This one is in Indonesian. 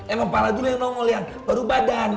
emang pala dulu yang nongol yang baru badan